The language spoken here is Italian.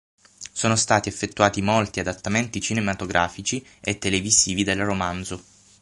Sono stati effettuati molti adattamenti cinematografici e televisivi del romanzo.